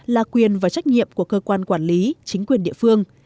là quyền và trách nhiệm của cơ quan quản lý chính quyền địa phương